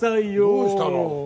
どうしたの？